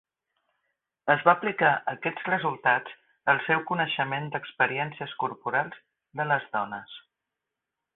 Es va aplicar aquests resultats al seu coneixement d'experiències corporals de les dones.